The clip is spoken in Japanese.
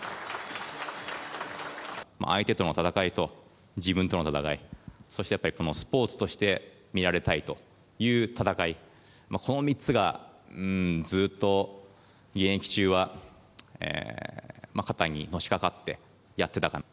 相手との戦いと、自分との戦い、そしてやっぱり、このスポーツとして見られたいという戦い、この３つがうーん、ずっと現役中は肩にのしかかってやってた。